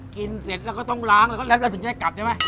เสร็จแล้วก็ต้องล้างแล้วก็ถึงจะได้กลับใช่ไหม